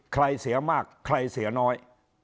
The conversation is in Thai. เสียมากใครเสียน้อย